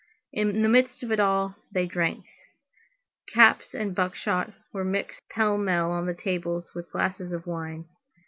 In the midst of it all, they drank. Caps and buckshot were mixed pell mell on the tables with glasses of wine.